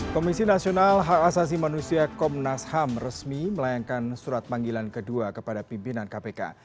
komisi nasional hak asasi manusia komnas ham resmi melayangkan surat panggilan kedua kepada pimpinan kpk